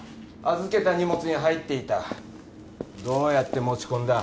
預けた荷物に入っていたどうやって持ち込んだ？